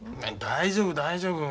大丈夫大丈夫。